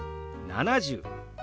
７０。